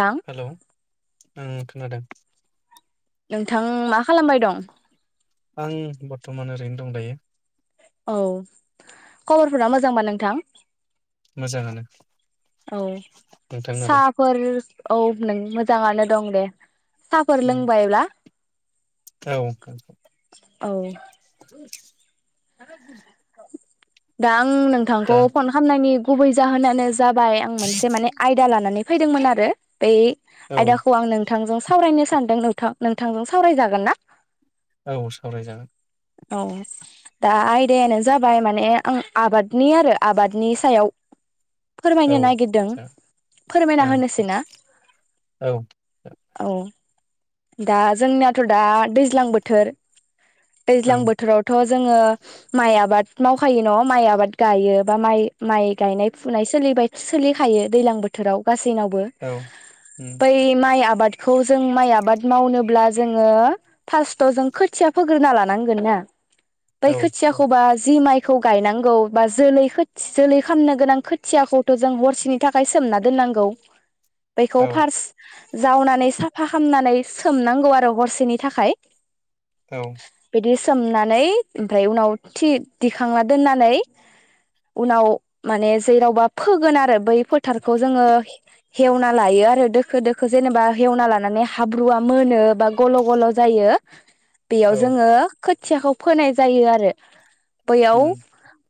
थां हेलौ उम खोनादों। नोंथां मा खालामबाय दं? आं बर्थमान ओरैनो दं दायो। औ खबरफोरा मोजांबा नोंथां। मोजाङानो। औ नोंथांनालाय? साहाफोर औ। नों मोजाङानो दं दे। साहाफोर उम, लोंबायब्ला? औ। औ। दा आं दा नोंथांखौ फन खालामनायनि गुबै जाहोनानो जाबाय आं मोनसे माने आयदा लानानै फैदोंमोन आरो बे औ आयदाखौ आं नों नोंथांजों सावरायनो सानदों नोंथां नोंथांजों सावरायजागोन ना औ सावरायजागोन। औ दा आयदायानो जाबाय माने आं आबादनि आरो आबादनि सायाव औ फोरमायनो नागिरदों औ फोरमायना औ होनोसै ना? औ दा जोंनियाथ दा दैज्लां बोथोर औ दैज्लां बोथोरावथ जोङो माइ आबाद मावखायो नआव माइ आबाद गायो बा माइ माइ गायनाय फुनाय सोलिबाय सोलिखायो दैज्लां बोथोराव गासैनावबो औ उम बै माइ आबाद खौ जों माइ आबाद मावनोब्ला जोङो फार्स्थाव जों खोथिया फोग्रोना लानांगोन ना। बै औ औ खोथियाखौबा जि माइ खौ गायनांगौ बा जोलै खोथ जोलै खालामनो गोनां खोथियाखौथ जों हरसेनि थाखाय सोमना दोननांगौ बेखौ औ फार्स्ट जावनानै साफा खालामामनानै सोमनांगौ आरो हरसेनि थाखाय। औ बिदि सोमनानै ओमफ्राय उनाव थि दिखांना दोननानै उनाव माने जेरावबा फोगोन आरो बै फोथ थारखौ जोङो हेवना लायो आरो दोखो दोखो जेनेबा हेवना लानानै हाब्रुआ मोनो बा गल' गल' जायो बेयाव औ जोङो खोथ खोथियाखौ फोनाय जायो आरो। बैयाव उम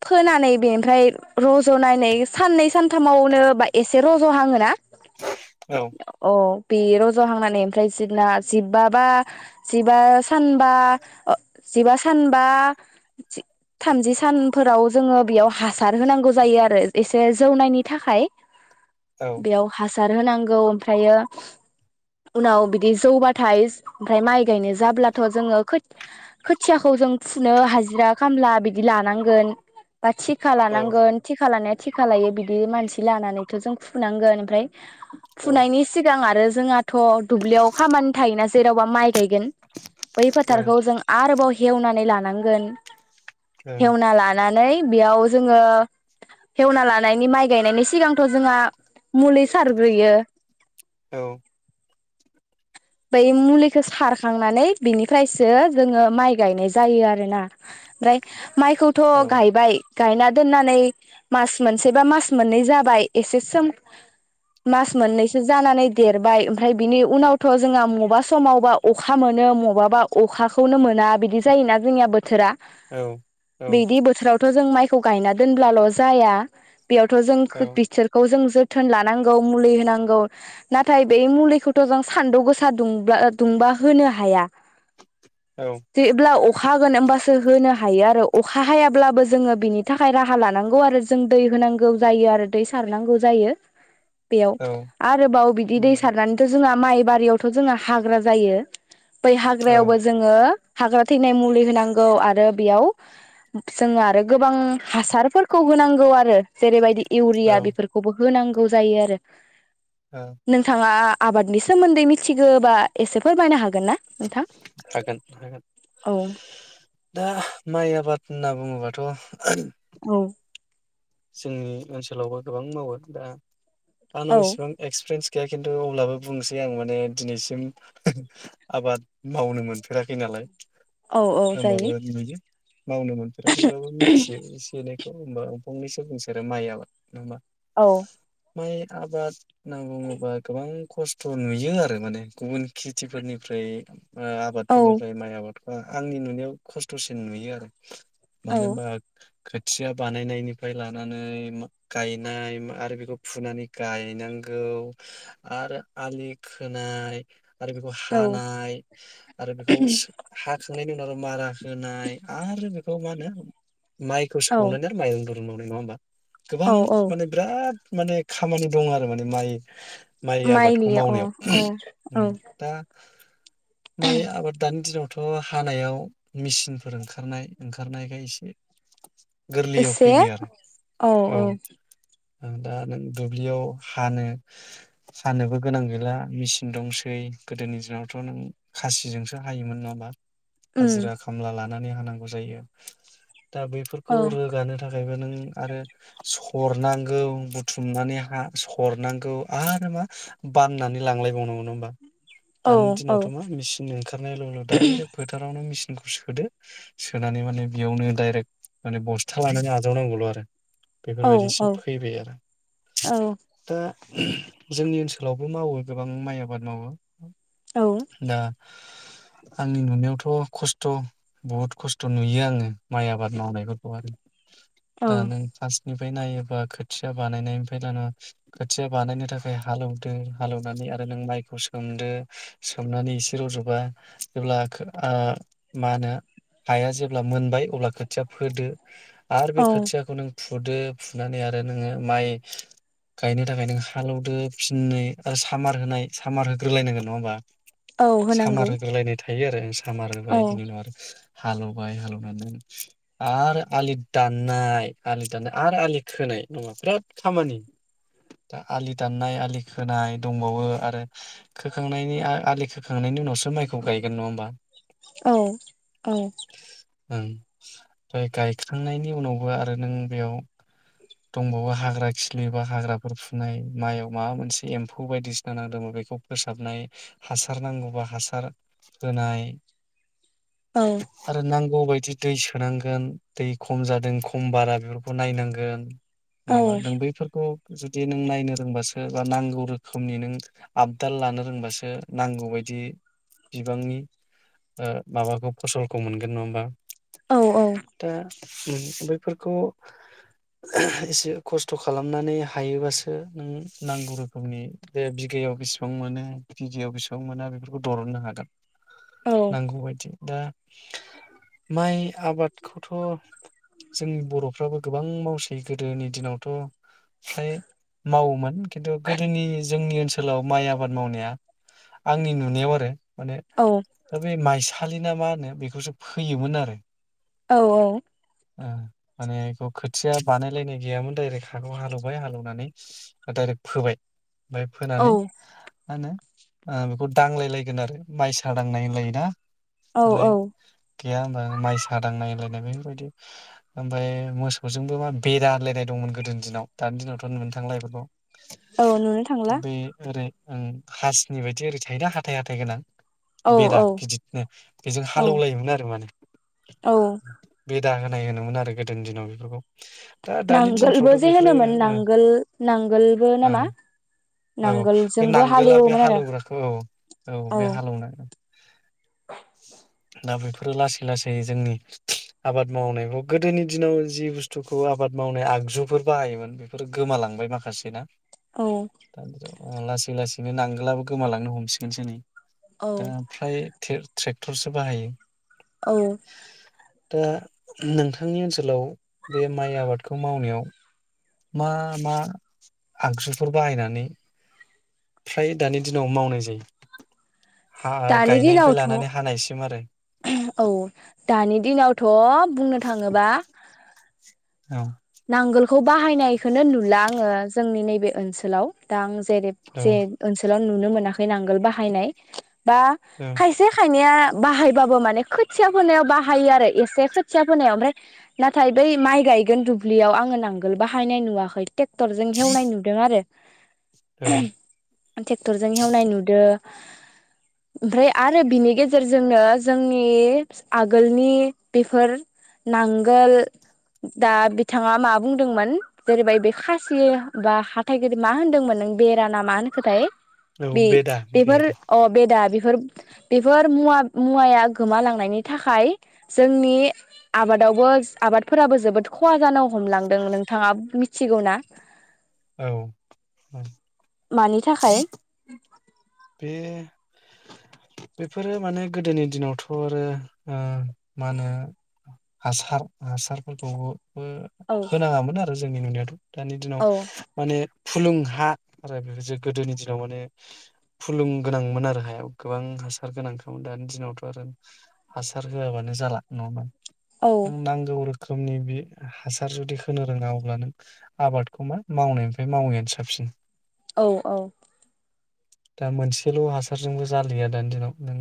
फोनानै बेनिफ्राय रज'नानै साननै सानथामावनो बा एसे रज'हाङोना औ औ अ बे रज'हांनानै ओमफ्राय जिबना जिबबाबा जिबा सानबा अ जिबा सान बा थामजि सानफोराव जोङो बेयाव हासार होनांगौ जायो आरो एसे जौनायनि थाखाय। बेयाव हास हासार होनांगौ ओमफ्रायो उनाव बिदि जौबाथाय ओमफ्राय माइ गायनाय जाब्लाथ' जोङो खोथ-खोथियाखौ जों फुनो हाजिरा खामला बिदि लानांगोन बा थिखा औ लानांगोन थिखा लानाय थिखा लायो बिदि मानसि लानानैथ' जों फुनांगोन ओमफ्राय फुनायनि सिगां आरो जोंहाथ' दुब्लियाव खामानि थायोना जेरावबा माइ गायगोन बै ओं फोथारखौ जों आरोबाव हेवना नै लांगोन औ हेवना लाना नानै बेयाव जोङो हेवना लानायनि माइ गायनायनि सिगांथ' जोंहा मुलि सारग्रोयो। औ। बै मुलिखौ सारखांनानै बिनिफ्रायसो जोङो माइ गायनाय जायो आरोना ओमफ्राय माइखौथ' गायबाय गायना दोननानै मास मोनसे बा मास मोननै जाबाय एसे सोम मास मोननैसो जानानै देरबाय ओमफ्राय बिनि उनाव थ जोंहा मबा समावबा अखा मोनो मबाबा अखाखौनो मोना बिदि जायोना जोंनिया बोथोरा औ औ बिदि बोथोरावथ' जों माइ खौ गायना दोनब्लाल' जाया बेयावथ' जों खो-बिसोरखौ जों जो थोन लानांगौ मुलि होनांगौ नाथाय बे मुलिखौथ' जों सान्दुं गोसा दुंब्ला ओ दुंबा होनो हाया जेब्ला अखा हागोन ओमबासो होनो हायो आरो अखा हायाब्लाबो जोङो बिनि थाखाय राहा लानांगौ आरो जों दै होनांगौ जायो आरो दै सारनांगौ जायो। बेयाव औ आरोबाव बिदि दै उम सारनानैथ' जोंहा माइ बारियावथ' जोंना हाग्रा जायो बै औ हाग्रायावबो जोङो हाग्रा थैनाय मुलि होनांगौ आरो बेयाव जोङो आरो गोबां हासारफोरखौ होनांगौ आरो जेरैबायदि इउरिया बेफोरखौबो। होनांगौ जायो आरो औ नोंथाङा आबादनि सोमोन्दै मिथिगौोबा एसे फोरमायनो हागोन ना नोंथां? हागोन हागोन औ दा माइआ आबाद होनना बुङोबाथ' औ। जोंनि ओनसोलावबो गोबां मावो दा आंनाव औ इसेबां एक्सपिरियेन्स गाया खिन्थु अब्लाबो बुंनोसै आं माने दिनैसिम हो आबाद मावनो मोनफेराखै नालाय औ औ जायो ओमबाबो नुयो मावनो मोनफेराखैबाबो मिथियो एसे एनै [unintelligible] फंनैसो बुंसोरो माइ आबाद नो मा औ माइ आबाद होनना बुङोबा गोबां खस्थ नुयो आरो माने गुबुन खेथिफोरनिफ्राय ओ औ आबादफोरनिफ्राय माइ आबाद आंनि नुनायाव खस्थसिन नुयो आरो औ मानो होनबा खोथिया बानायनायनि फ्राय लानानै गायनाय आरो बेखौ फुनानै गायनांगौ आरो आलि खोनाय आरो बेखौ हानाय आरो बेखौ सो हाख [unintelligible] मारा होनाय आरो बे खमानो माइखौ औ सौनानै आरो माइरं द [unintelligible] नङा होमबा? गोबां औ औ माने बिराद माने खामानि दं आरो माने माइ माइ आबादखौ माइनि अ मावनायाव अ औ उम दा माइ आबाद दानि दिनावथ' हानायाव मेचिनफोर ओंखारनाय ओंखारनायखाय एसे गोरलैयाव से फैबाय आरो औ औ। दा नों दुब्लियाव हानो हानोबो गोनां गैला मेचिन दंसै गोदोनि दिनावथ नों खासिजोंसो हायोमोन नङा होमबा? उम हाजिरा खामला लानो। नानै होनांगौ जायो। दा औ बेफोरखौ रोगानो ओमफ्रायबो नों आरो सरनांगौ बुथुमनानै हा सरनांगौ आरो मा बाननानै लांलायबावनांगौ नङा होमबा। औ दानि औ दिनावथ मा मिसिन ओंखारनायल उनाव डायरेक्ट फोथारावनो मिसिन सोदो सोनानै माने बेयावनो डायरेक्ट माने बस्था आजावनांगौल आरो औ बेफोरबायदिसिम औ फैबाय आरो दा जोंनि ओनसोलावबो मावो गोबां माइ आबाद मावो। औ दा आंनि नुनायावथ खस्थ बुहुद खस्थ नुयो आङो माइ आबाद मावनायफोरखौ हाय। औ दा नों फासनिफ बै नायोबा खोथिया बानायनायनिफ्राय लाना खोथिया बानायनो थाखाय हालौदो हालौनानै आरो नों माइखौ सोमदो सोमनानै एसे रजबा जेब्ला आ मा होनो हाया जेब्ला मोनबाय अब्ला खोथिया फोदो। आरो बे औ खोथियाखौ नों फुदो फुनानै आरो नोङो माइ गायनो थाखाय नों हालौदो फिननै आरो सामार होनाय सामार होग्रोलायनांगोन नङा होमबा। औ होनांगौ। हायो आरो। औ हामारबाय बिनि उनाव आरो हालौबाय हालौनानै आरो आलि दाननाय आलि दाननाय आरो आलि खोनाय नङा बिराद खामानि दा आलि दाननाय आलि खोनाय दंबावो आरो। खोखांनायनि आलि खोखांनायनि उनावसो माइखौ गायगोन नङा ओमबा। औ औ। ओम ओमफ्राय गाय खांनायनि उनावबो आरो नों बेयाव दंबावो हाग्रा खिलिबा हाग्राफोर फुनाय माइयाव माबा मोनसे एम्फौ बायदिसिना नांदोंमोन बेखौ फोसाबनाय हासार नांगौबा हासार होनाय। औ आरो नांग गौबायदि दै सोनांगोन। दै खम जादों खम बारा बेफोरखौ नायनांगोन। औ नङाबा नों बैफोरखौ जुदि नों नायनो रोंबासो बा नांगौ रोखोमनि नों आपदाल लानो रोंबासो नांगौबायायदि बिबांनि ओ माबाखौ फसलखौ मोनगोन नङा ओमबा। औ औ। बैफोरखौ ओ एसे खस्थ खालामनानै हायोबासो नों नांगौ रोखोमनि बेे बिगायाव बेसेबां मोनो बिगायाव बेसेबां मोना बेफोरखौ दरननो हागोन। औ नांगौबायदि। दा माइ आ खौथ। जोंनि बर'फ्रा बो गोबां मावसै गोदोनि दिनावथ। फ्राय मावोमोन खिन्थु गोदोनि जोंनि ओनसोलाव माइ आबाद मावनाया। आंनि नुनायाव आरो। माने [unintelligible] माइस। थालिना मा होनो बेखौसो फोयोमोन आरो। औ औ। ओ माने इखौ खोथिया बानायलायनाय गैयामोन डाइरेक्ट हाखौ हालौबाय हालौनानै डाइरेक्ट फोबाय। बाय औ फोनानै। मा होनो ओ बेखौ दांलायलायगोन आरो माइसा दांनाय होनलायोना। औ दालाय औ गैया होनबा माइस। नायलायनाय बेफोरबायदि ओमफाय मोसौजोंबो मा बेरा ओलायनाय दंमोन गोदोनि दिनाव दानि दिनावथ नुनो थांला इफोरखौ। औ नुनो थांला। ओं हासनि बायदि ओरै थायोना हाथाय हाथाय गोनां औ बे औ दा गिदिनो बेजों औ हालेवलायोमोन आरो माने। औ। बिदा होनाय होनोमोन आरो गोदोनि दिनाव बेफोरखौ। दा दानि नांगोलबो दिनफ्रावथ जे बेफोरो होनोमोन ओ नांगोल नांगोलबो नामा औ बे नांगोलजोंबो नांगोला बे हालेवोमोन आरो हालेवग्राखौ औ औ बे हालेवनाय। [inaudible] दा बेफोरो लासै लासै जै जोंनि आबाद मावनायखौ गोदोनि दिनाव जि बुस्थुखौ आबाद मावनाय आगजुफोर बाहायोमोन बेफोर गोमालांबाय माखासे ना औ [inaudible] लासै लासै। बिदिनो नांगोलाबो गोमालांनो हमसिगोनसो नै। औ दा फ्राय थे ट्रेक्टरसो बाहायो। औ। दा नोंथांनि ओनसोलाव बे माइ आबादखौ मावनायाव मा मा आगजुफोर बाहायनानै फ्राय दानि दिनाव मावनाय जायो। हा दानि गायनायनिफ्राय दिनावथ' लानानै हानायसिम आरो। औ दानि दिनावथ बुंनो थाङोबा। औ। खौ बाहायनायखौनो नुला आङो जोंनि नैबे ओनसोलाव दा आं। जेरेब औ जे ओनसोलाव नुनो मोनाखै नांगोल बाहायनाय। बा औ खायसे खायनैया बाहायबाबो माने खोथिया फोनायाव बाहायो आरो एसे खोथिया फोनायाव ओमफ्राय नाथाय बै माइ गायगोन दुब ब्लियाव आङो नांगोल बाहायनाय नुवाखै। ट्रेक्टरजों हेवनाय नुदों आरो। औ। टेक्टरजों हेवनाय नुदो। ओमफ्राय आरो बिनि गेजेरजोंनो जोंनि आगोलनि बेफोर नांगोल दा बिथाङा मा बुंदोंमोन जेरैबाय बे खासि बा हाथाय गेदेमा मा होन्दोंमोन नों बेराना मा होनखोथाय? औ बि बेदा बेफोर बेदा अ बेदा बेफोर बेफोर मुवा मुवाया गोमालांनायनि थाखाय जोंनि आबादावबो आबादफोराबो जोबोद खहा जानो हमलांदों नोंथाङा मि थिगौना? औ उम। मानि थाखाय? बे बेफोरो माने गोदोनि दिनावथ आरो ओ मा होनो हासार हासारफोरखौ बो औ होनाङामोन आरो जोंनि नुनायावथ दानि दिनाव औ माने फुलुं हा आरो जे गोदोनि दिनाव माने फुलुं गोनांमोन आरो हायाव गोबां हासार गोनांखामोन। दानि दिनावथ आरो हासार होआबानो जाला नङा होनबा? औ नांगौ रो खोमनि बे हासार जुदि होनो रोङा अब्ला नों आबादखौ मा मावनायनिफ्राय मावैआनो साबसिन। औ औ। दा मोनसेल' हासारजोंबो जालिया दानि दिनाव। नों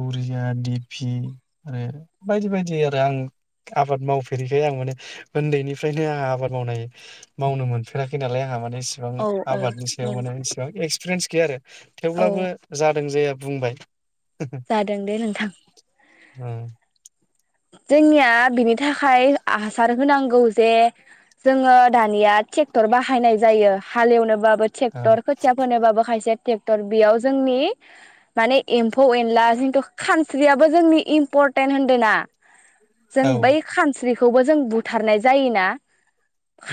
इउरिया, डि फि आरो बायदि बायदि आरो आं आबाद मावफेरैखाय आं माने ओन्दैनिफ्रायनो आंहा आबाद मावनाय मावनो मोनफेराखै नालाय आंहा म ने इसेबां औ आबादनि सायाव औ माने इसेबां एक्स फेरेन्स गैया आरो औ थेवब्लाबो जादों जाया बुंबाय। जादों दे नोंथां। उम। जोंनिया बिनि नि थाखाय हासार होनांगौ। जे जोङो दानिया ट्रेक्टर बाहायनाय जायो हालेवनोबा बो औ ट्रेक्टर खोथिया फोनोबबाबो खायसेया टेक्टार बेयाव जोंनि माने एम्फौ एनला जिन्थु खानस्रियाबो जोंनि इम्परटेन्ट होन्दों ना जों औ बै खानस्रि खौबो जों बुथारनाय जायोना।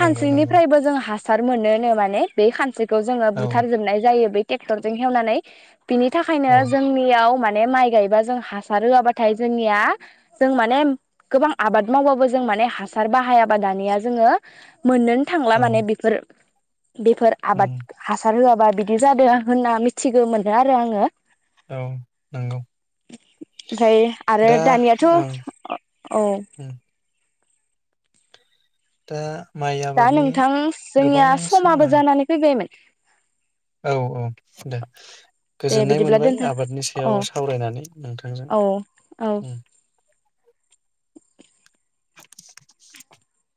नंगौ नंगौ जों हासार मोनो नो माने बे खानस्रि खौ जोङो औ बुथारजोबनाय जायो बे ट्रेक्टरजों हेवनानै बिनि थाखायनो औ जोंनियाव मान बे माइ गायोबा जों हासार होआबाथाय जोंनिया जों माने गोबां आबाद मावबाबो जों माने हासार बाहायाबा दानिया जोङो मोननोनो थांला औ माने बेफोर बेफोर उम आबाद हासार होआ बा बिदि जादों होनना मिथिगो मोनो आरो आङो। औ नंगौ ओमफ्राय आरो दा दानियाथ' ओ‌ औ। दा माइ दा आबादनि नोंथां गोबां जोंनिया सा समाबो जानानै फैबायमोन। औ औ दे दे गोजोननाय बिदिब्ला मोनबाय दोनथ' आबादनि औ सायाव सावरायनानै औ औ नोंथांजों।